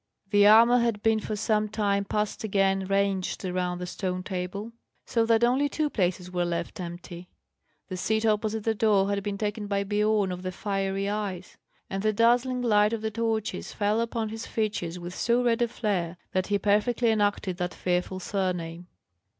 The armour had been for some time past again ranged round the stone table, so that only two places were left empty. The seat opposite the door had been taken by Biorn of the Fiery Eyes; and the dazzling light of the torches fell upon his features with so red a flare, that he perfectly enacted that fearful surname.